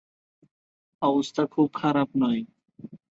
অবস্থা খুব খারাপ নয়।